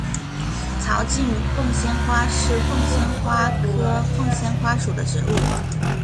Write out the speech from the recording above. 槽茎凤仙花是凤仙花科凤仙花属的植物。